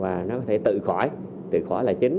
và nó có thể tự khỏi tự khó là chính